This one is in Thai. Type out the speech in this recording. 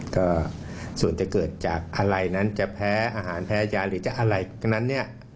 ก็ส่วนจะเกิดจากอะไรนั้นจะแพ้อาหารแพ้ยาหรือจะอะไรทั้งนั้นเนี่ย